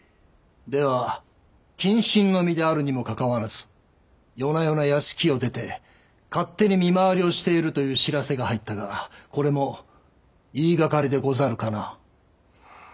では謹慎の身であるにもかかわらず夜な夜な屋敷を出て勝手に見回りをしているという知らせが入ったがこれも言いがかりでござるかな？